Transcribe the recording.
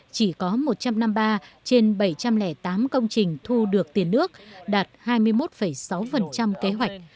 chỉ có một trăm năm mươi ba trên bảy trăm linh tám công trình thu được tiền nước đạt hai mươi một sáu kế hoạch